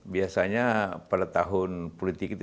biasanya pada tahun politik itu